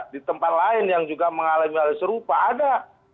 di tempat lain yang juga mengalami hal serupa ada